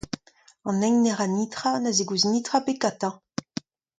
An hini na ra netra na zegouezh netra ebet gantañ.